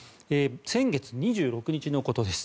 先月２６日のことです。